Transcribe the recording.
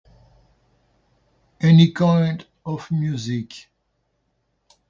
Any kind of music.